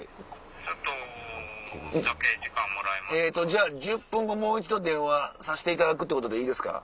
じゃあ１０分後もう一度電話さしていただくってことでいいですか？